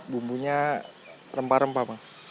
bumbunya rempah rempah bang